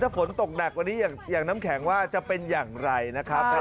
ฝนตกหนักวันนี้อย่างน้ำแข็งว่าจะเป็นอย่างไรนะครับ